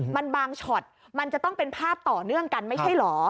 มันบางช็อตมันจะต้องเป็นภาพต่อเนื่องกันไม่ใช่เหรอ